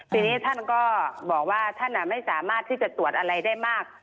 ทีนี้ท่านก็บอกว่าท่านไม่สามารถที่จะตรวจอะไรได้มาก